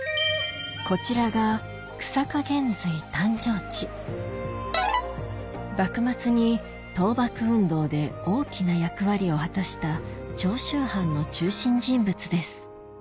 こちらが幕末に倒幕運動で大きな役割を果たした長州藩の中心人物です